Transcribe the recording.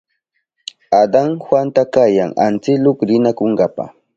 Adan Juanta kayan antsiluk rinankunapa.